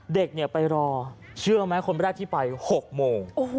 เด็กไปรอเชื่อไหมคนแรกที่ไป๖โมง